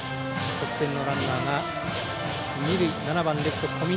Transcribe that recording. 得点のランナーが二塁、７番レフトの小峰。